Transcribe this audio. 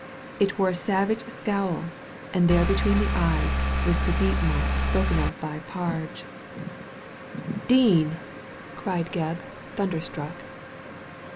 It wore a savage scowl, and there between the eyes was the deep mark spoken of by Parge. "Dean!" cried Gebb, thunderstruck.